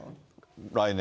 来年。